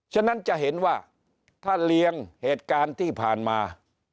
ฉะนั้นจะเห็นว่าถ้าเรียงเหตุการณ์ที่ผ่านมา